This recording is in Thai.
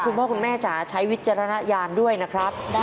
คุณพ่อคุณแม่จ๋าใช้วิจารณญาณด้วยนะครับ